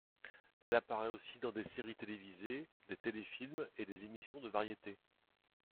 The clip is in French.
Elle apparait aussi dans des séries télévisées, des téléfilms et des émissions de variété.